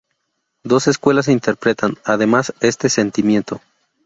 Dos escuelas interpretan además este sentimiento.